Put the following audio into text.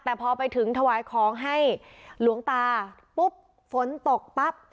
แต่พอไปถึงถวายของให้หลวงตาปุ๊บฝนตกปั๊บ